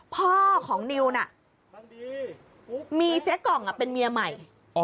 พ่อของนิวน่ะมีเจ๊กล่องเป็นเมียใหม่